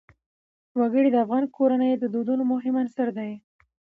وګړي د افغان کورنیو د دودونو مهم عنصر دی.